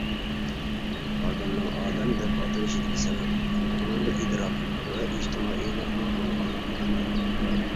ئادەمنىڭ «ئادەم» دەپ ئاتىلىشىدىكى سەۋەب-ئۇنىڭدا ئىدراك ۋە ئىجتىمائىيلىقنىڭ بولغانلىقىدىندۇر.